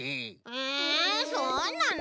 えそうなの？